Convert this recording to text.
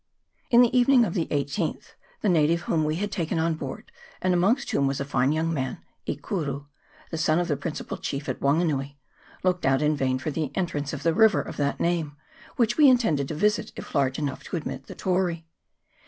In the evening of the 18th, the natives whom we had taken on board and amongst whom was a fine young man, E Kuru; the son of the principal chief at Wanganui looked out in vain for the entrance >f the river of that name, which we intended to isit if large enough to admit the Tory.